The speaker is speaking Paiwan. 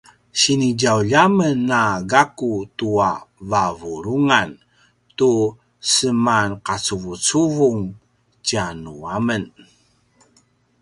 sini djaulj a men na gaku tua vavulungan tu semanqacuvucuvung tjanuamen